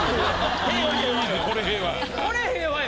これ平和よ。